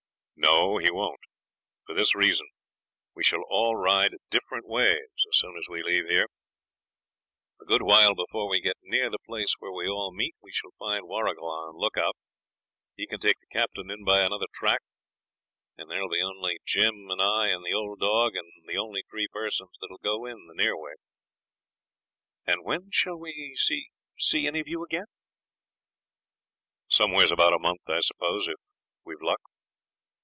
'No, he won't; for this reason, we shall all ride different ways as soon as we leave here. A good while before we get near the place where we all meet we shall find Warrigal on the look out. He can take the Captain in by another track, and there'll be only Jim and I and the old dog, the only three persons that'll go in the near way.' 'And when shall we see see any of you again?' 'Somewheres about a month, I suppose, if we've luck.